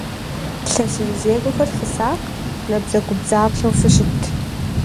ЛъэсырызекӀуэхэр фысакъ, набдзэгубдзаплъэу фыщыт!